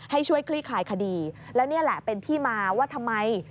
ให้ช่วยคลี่คลายคดีแล้วนี่แหละเป็นที่มาว่าทำไม